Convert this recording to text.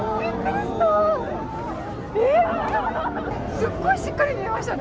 すっごいしっかり見えましたね。